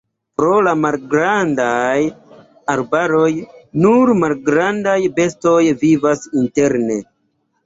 Pro la malgrandaj arbaroj nur malgrandaj bestoj vivas interne.